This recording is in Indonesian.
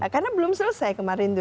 karena belum selesai kemarin itu